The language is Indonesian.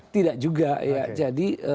tidak juga jadi